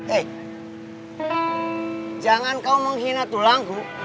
eh jangan kau menghina tulangku